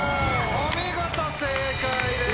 お見事正解です。